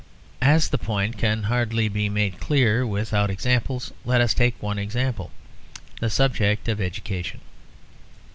As the point can hardly be made clear without examples, let us take one example, the subject of education.